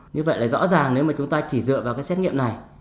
như vậy là rõ ràng nếu mà chúng ta chỉ dựa vào cái xét nghiệm này